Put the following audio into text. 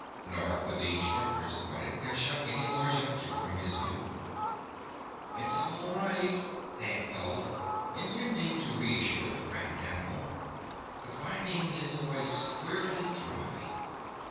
Nor could the structures upon it have shut any large object from his view. "It's all right!" Thad called, intending to reassure the frightened animal, but finding his voice queerly dry.